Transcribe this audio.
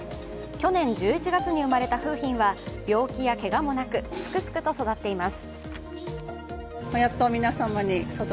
去年１１月に生まれた楓浜は病気やけがもなく、すくすくと育っています。